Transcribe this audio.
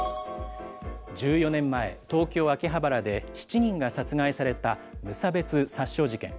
１４年前、東京・秋葉原で７人が殺害された無差別殺傷事件。